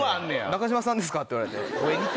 「中島さんですか？」って言われて。